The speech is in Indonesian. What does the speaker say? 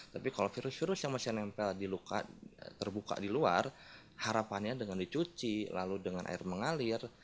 tapi kalau virus virus yang masih nempel terbuka di luar harapannya dengan dicuci lalu dengan air mengalir